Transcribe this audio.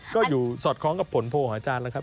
ก็อยู่สอดคล้องกับผลโพลของอาจารย์แล้วครับ